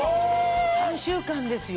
３週間ですよ。